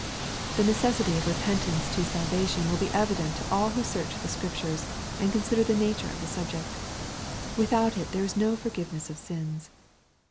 The necessity of repentance to salvation will be evident to all vrho search the Scriptures, and consider the nature of the subject. — Without it there is no forgiveness of sins.